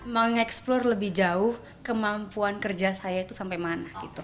meng explore lebih jauh kemampuan kerja saya itu sampai mana